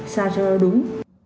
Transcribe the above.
sao cho đúng